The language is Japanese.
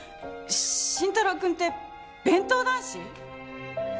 慎太郎君って弁当男子？